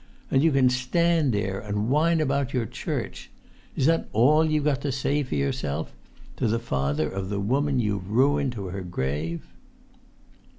And you can stand there and whine about your Church! Is that all you've got to say for yourself—to the father of the woman you've ruined to her grave?"